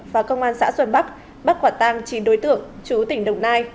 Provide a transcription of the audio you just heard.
và công an xã xuân bắc bắt quả tang chín đối tượng chú tỉnh đồng nai